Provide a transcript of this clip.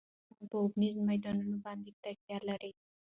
افغانستان په اوبزین معدنونه باندې تکیه لري.